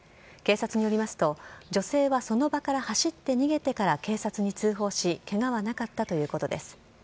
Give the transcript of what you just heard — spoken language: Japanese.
警察によりますと、女性はその場から走って逃げてから、警察に通報し、けがはなかったということです。